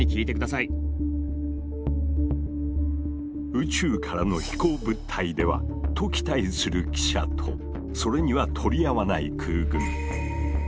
「宇宙からの飛行物体では？」と期待する記者とそれには取り合わない空軍。